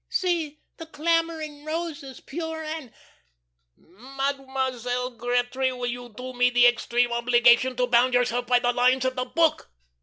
"'See! The clambering roses, pure and '" "Mademoiselle Gretry, will you do me the extreme obligation to bound yourself by the lines of the book?"